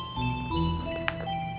ngga turut bercakap